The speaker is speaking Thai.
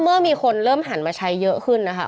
เมื่อมีคนเริ่มหันมาใช้เยอะขึ้นนะคะ